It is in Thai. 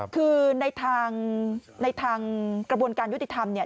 คือในทางกระบวนการยุติธรรมเนี่ย